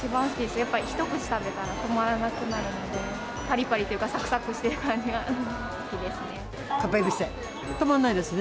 やっぱ一口食べたら止まらなくなるので、ぱりぱりというか、さくさくしている感じが好きですね。